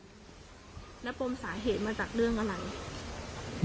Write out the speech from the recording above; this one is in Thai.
แล้วปมสาเหตุมาจากเรื่องอะไร